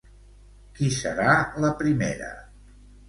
Qui serà la primera?